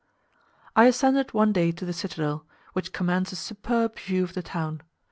I ascended one day to the citadel, which commands a superb view of the town.